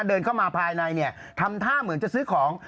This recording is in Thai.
เดินเข้ามาภายในเนี่ยทำท่าเหมือนจะซื้อของ